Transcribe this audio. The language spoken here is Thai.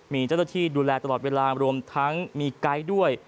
มีเจ้าหน้าที่ดูแลตลอดเวลารวมทั้งมีไกด์ด้วย